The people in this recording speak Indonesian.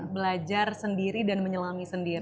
belajar sendiri dan menyelangi sendiri